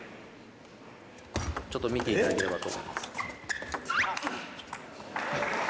ちょっと見ていただければと。